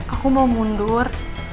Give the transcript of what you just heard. aku mau mundur